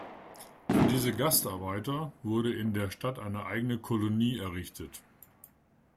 Für diese „Gastarbeiter“ wurde in der Stadt eine eigene „Kolonie“ errichtet.